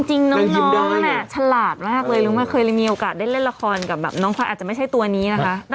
จริงน้องนั่นฉลาดมากเลยรู้ไหมเคยมีโอกาสได้เล่นละครกับน้องควายอาจจะไม่ใช่ตัวนี้นะคะ